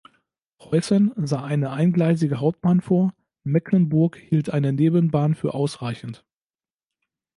Preußen sah eine eingleisige Hauptbahn vor, Mecklenburg hielt eine Nebenbahn für ausreichend.